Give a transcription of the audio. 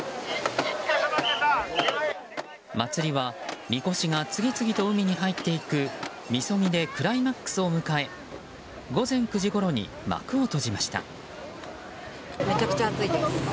祭りはみこしが次々と海に入っていくみそぎで、クライマックスを迎え午前９時ごろに幕を閉じました。